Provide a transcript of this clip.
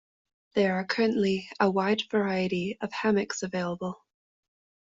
There are currently a wide variety of hammocks available.